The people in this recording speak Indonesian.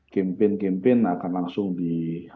kempen kempen akan langsung di